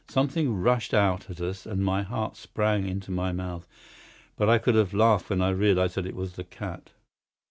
Something rushed out at us and my heart sprang into my mouth, but I could have laughed when I realized that it was the cat.